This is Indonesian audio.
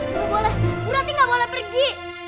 nggak boleh bu rati nggak boleh pergi